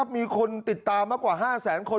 มีคนติดตามมากกว่า๕แสนคน